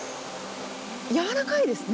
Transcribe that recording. やわらかいですね。